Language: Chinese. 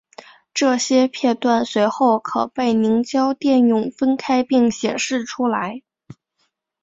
这些片断随后可被凝胶电泳分开并显示出来。